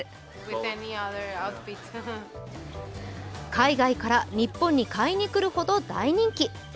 海外から日本に買いに来るほど大人気。